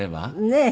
ねえ。